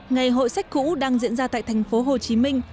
ngày hội sách cũ đang diễn ra tại thành phố hồ chí minh